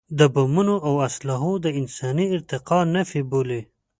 د بمونو او اسلحو د انساني ارتقا نفي بولي.